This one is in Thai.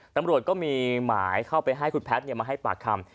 ตำรวจก็มีหมายเข้าไปให้คุณแพทย์มาให้ปากคำ